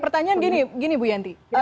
pertanyaan gini bu yanti